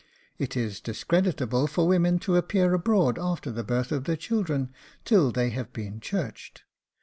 It is discreditable for women to appear abroad after the birth of their children till they have been CHURCHED.